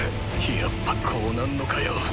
やっぱこうなんのかよ。